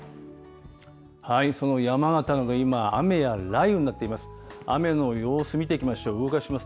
その山形など、今、雨や雷雨になっています。